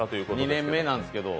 ２年目なんですけど。